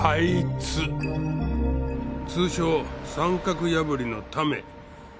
通称三角破りの為